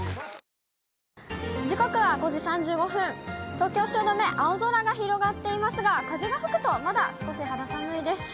東京・汐留、青空が広がっていますが、風が吹くとまだ少し肌寒いです。